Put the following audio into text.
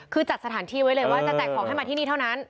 คือจัดสถานที่ไว้เลยว่าจะแจกของให้มาที่นี่เท่านั้น